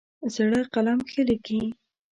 زړه قلم ښه لیکي.